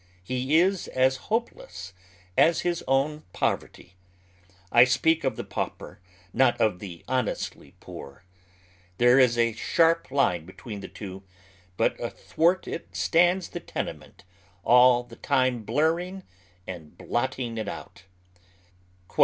He is as hopeless as his own poverty. I speak of thejtavpei; not of the honestly poor. There is a shai p line between the two ; but athwart it stands the tenement, all the time bhirring and blotting it out.